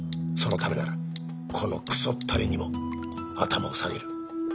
そのためならこのクソッタレにも頭を下げる